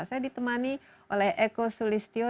saya ditemani oleh eko sulistyo